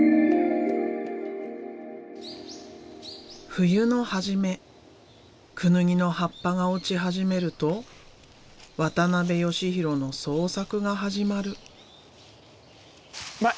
冬の初めクヌギの葉っぱが落ち始めると渡邊義紘の創作が始まる。